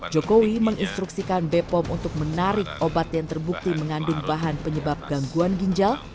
jokowi menginstruksikan bepom untuk menarik obat yang terbukti mengandung bahan penyebab gangguan ginjal